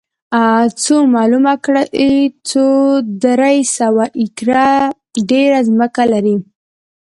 څو معلومه کړي څوک درې سوه ایکره ډېره ځمکه لري